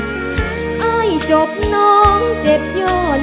ภูมิสุภาพยาบาลภูมิสุภาพยาบาล